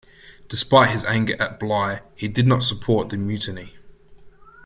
Despite his anger at Bligh, he did not support the mutiny.